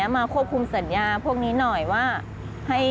มาควบคุมสัญญาพวกนี้หน่อยว่า